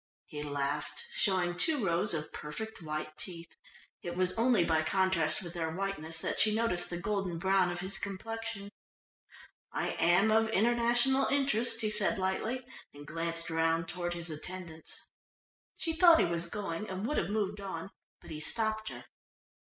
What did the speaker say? He laughed, showing two rows of perfect white teeth. It was only by contrast with their whiteness that she noticed the golden brown of his complexion. "I am of international interest," he said lightly and glanced round toward his attendants. She thought he was going and would have moved on, but he stopped her.